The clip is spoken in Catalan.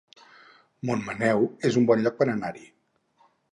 Montmaneu es un bon lloc per anar-hi